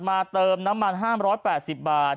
เติมน้ำมัน๕๘๐บาท